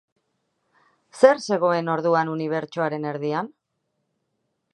Zer zegoen orduan unibertsoaren erdian?